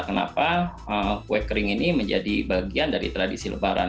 kenapa kue kering ini menjadi bagian dari tradisi lebaran